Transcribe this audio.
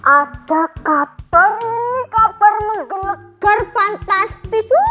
ada kaper ini kaper melegar fantastis